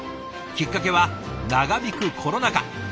きっかけは長引くコロナ禍。